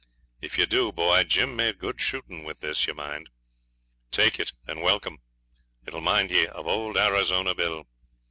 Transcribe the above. If ye do, boy! Jim made good shootin' with this, ye mind. Take it and welcome; it'll mind ye of old Arizona Bill.'